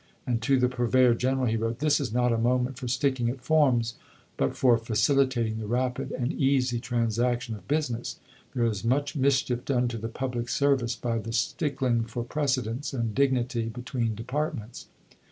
And to the Purveyor General he wrote: "This is not a moment for sticking at forms, but for facilitating the rapid and easy transaction of business. There is much mischief done to the public service by the stickling for precedence and dignity between departments."